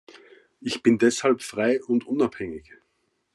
Ich bin deshalb frei und unabhängig.